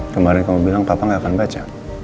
kemarin kamu bilang papa nggak akan baca